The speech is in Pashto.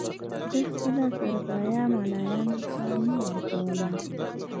ده خپله سرسایه ملایانو ته نه ورکوله.